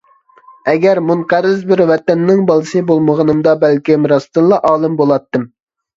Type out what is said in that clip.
ئەگەر مۇنقەرز بىر ۋەتەننىڭ بالىسى بولمىغىنىمدا بەلكىم راستتىنلا ئالىم بولاتتىم.